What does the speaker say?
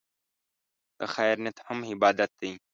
د خیر نیت هم عبادت دی.